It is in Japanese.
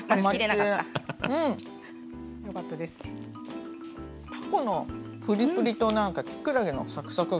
たこのプリプリときくらげのサクサク